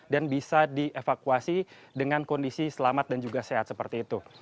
dan bisa dievakuasi dengan kondisi selamat dan juga sehat seperti itu